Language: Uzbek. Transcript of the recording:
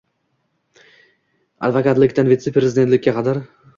Advokatlikdan vitse-prezidentlikka qadar